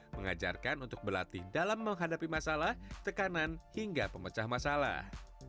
mengajarkan untuk berlatih dalam menghadapi masalah tekanan hingga pemecah masalah